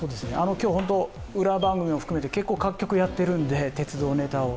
今日、裏番組を含めて結構各局やっているんで鉄道ネタを。